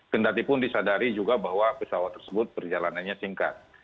kendati pun disadari juga bahwa pesawat tersebut perjalanannya singkat